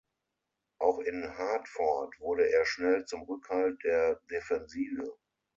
Auch in Hartford wurde er schnell zum Rückhalt der Defensive.